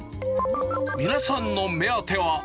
皆さんの目当ては。